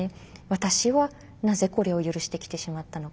私はなぜこれを許してきてしまったのか。